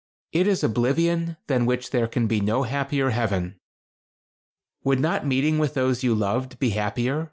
It is oblivion than which there can be no happier heaven." "Would not meeting with those you have loved be happier?"